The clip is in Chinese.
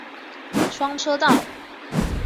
双车道。